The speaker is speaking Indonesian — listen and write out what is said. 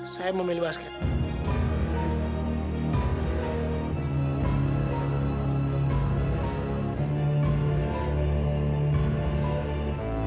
saya memilih basket